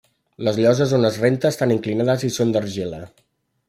Les lloses on es renta estan inclinades i són d'argila.